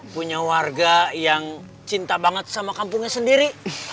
punya warga yang cinta banget sama kampungnya sendiri